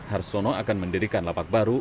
harsono akan mendirikan lapak baru